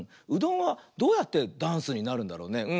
うどんはどうやってダンスになるんだろうね。